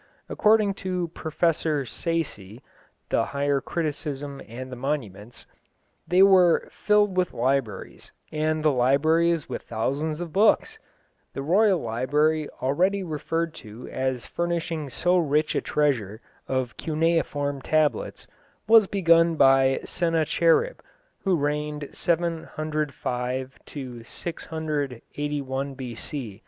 According to Professor Sayce (The Higher Criticism and the Monuments) they were "filled with libraries, and the libraries with thousands of books." The royal library already referred to as furnishing so rich a treasure of cuneiform tablets, was begun by Sennacherib, who reigned 705 681 B.C.